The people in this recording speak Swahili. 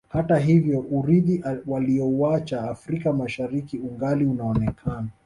Hata hivyo urithi waliouacha Afrika Mashariki ungali unaonekana